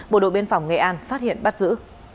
bộ đội biên phòng nghệ an phát hiện bắt giữ